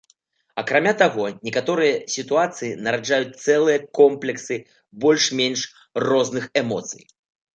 Акрамя таго, некаторыя сітуацыі нараджаюць цэлыя комплексы больш-менш розных эмоцый.